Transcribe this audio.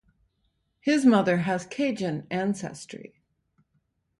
His mother has Cajun ancestry.